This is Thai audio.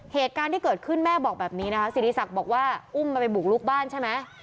เหตุการณ์ที่เกิดขึ้นแม่บอกแบบนี้นะคะสิริศักดิ์บอกว่าอุ้มมันไปบุกลุกบ้านใช่ไหม